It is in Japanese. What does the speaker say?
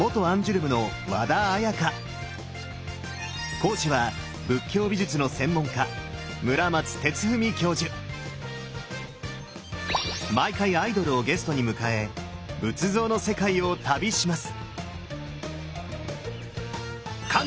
講師は仏教美術の専門家毎回アイドルをゲストに迎え仏像の世界を旅します！